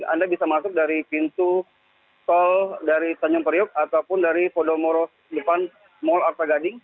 anda bisa masuk dari pintu tol dari tanjung priuk ataupun dari podomoro depan mall arta gading